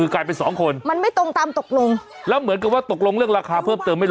เอ้ยคนละกระบอกนี่อะไร